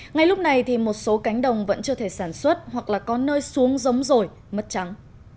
ngay lúc này thì một số cánh đồng vẫn chưa thể sản xuất hoặc là có nơi xuống giống rồi mất trắng